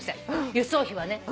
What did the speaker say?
輸送費はね。